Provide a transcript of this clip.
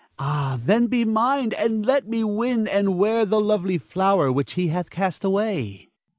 Ah, then be mine, and let me win and wear the lovely flower which he hath cast away.